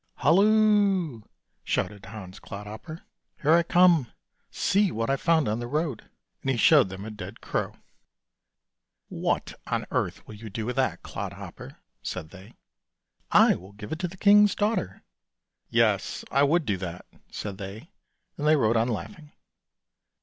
"Halloo!" shouted Hans Clodhopper, "here I come; see what I've found on the road," and he showed them a dead crow. " What on earth will you do with that, Clodhopper? " said they. " I will give it to the king's daughter." " Yes, I would do that," said they, and they rode on laughing.